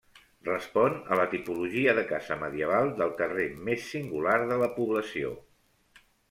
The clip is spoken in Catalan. Respon a la tipologia de casa medieval del carrer més singular de la població.